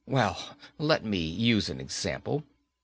Well, let me use an example.